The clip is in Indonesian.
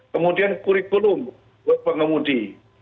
kemudian kurikulum buat pengemudi